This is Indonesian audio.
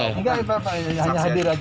enggak ya pak hanya hadir aja